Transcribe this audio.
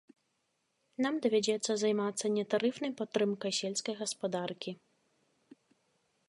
Нам давядзецца займацца нетарыфнай падтрымкай сельскай гаспадаркі.